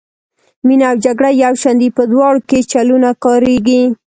مینه او جګړه یو شان دي په دواړو کې چلونه کاریږي.